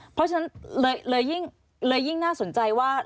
เพราะฉะนั้นเลยยิ่งเลยยิ่งน่าสนใจว่า